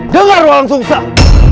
dengar wang susah